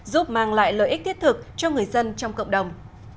giúp mang lại lợi ích thiết thực cho người dân trong cộng đồng